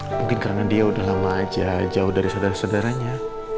mungkin karena dia udah lama aja jauh dari saudara saudaranya